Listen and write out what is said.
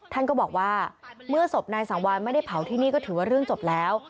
ท่านก็บอกว่าเมื่อศพนายสังวานไม่ได้เผาที่นี่ก็ถือว่าเรื่องจบแล้ว